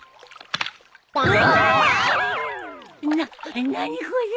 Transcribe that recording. なっ何これ？